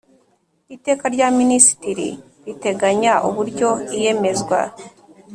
Iteka rya Minisitiri riteganya uburyo iyemezwa